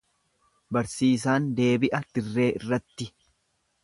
Barsiisaan deebi'a dirree irratti.